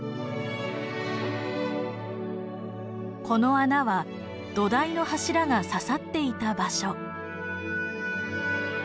この穴は土台の柱が刺さっていた場所。